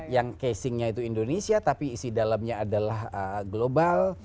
yang casingnya itu indonesia tapi isi dalamnya adalah global